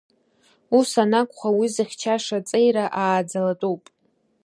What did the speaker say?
Ус анакәха уи зыхьчашьа аҵеира ааӡалатәуп…